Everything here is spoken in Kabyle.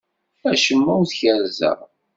Acemma ur t-kerrzeɣ.